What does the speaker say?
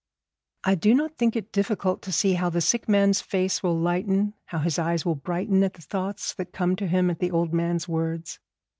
I do not think it difficult to see how the sick man's face will lighten, how his eyes will brighten at the thoughts that come to him at the old man's words.